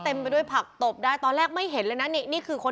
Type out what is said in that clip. ขึ้นมาคุยกันเลย